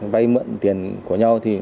vay mượn tiền của nhau